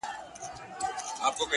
پر سينه باندي يې ايښي وه لاسونه،